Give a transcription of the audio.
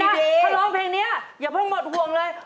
ถ้าร้องเพลงนี้อย่าเพิ่งหมดห่วงเลย